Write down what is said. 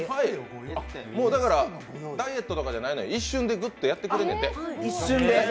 もう、ダイエットとかじゃないのよ、一瞬でやってくれるんだって。